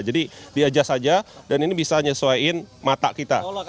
jadi dia adjust aja dan ini bisa nyesuaiin mata kita